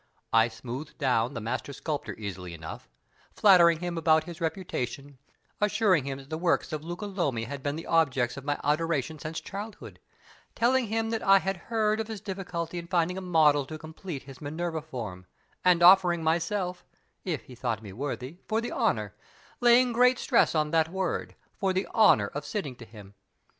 I smoothed down the master sculptor easily enough flattering him about his reputation, assuring him that the works of Luca Lomi had been the objects of my adoration since childhood, telling him that I had heard of his difficulty in finding a model to complete his Minerva from, and offering myself (if he thought me worthy) for the honor laying great stress on that word for the honor of sitting to him.